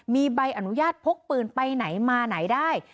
มีใบอนุญาตพกปืนไปไหนมาไหนได้